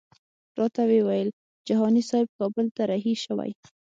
راته ویې ویل جهاني صاحب کابل ته رهي شوی.